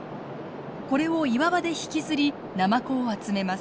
これを岩場で引きずりナマコを集めます。